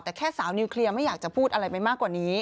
แต่แค่สาวนิวเคลียร์ไม่อยากจะพูดอะไรไปมากกว่านี้